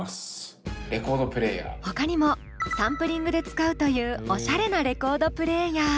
ほかにもサンプリングで使うというおしゃれなレコードプレーヤー。